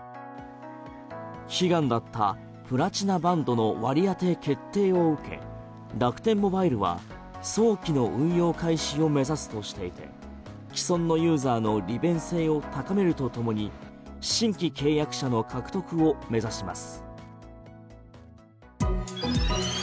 悲願だったプラチナバンドの割り当て決定を受け楽天モバイルは早期の運用開始を目指すとしていて既存ユーザーの利便性を高めるとともに新規契約者の獲得を目指します。